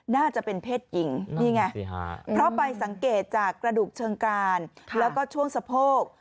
น่าจะเป็นเพศหญิงนี่ไงเพราะไปสังเกตจากกระดูกเชิงกรานแล้วก็ช่วงสะโพก